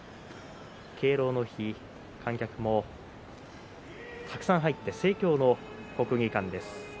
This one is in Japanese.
敬老の日、観客もたくさん入って盛況の国技館です。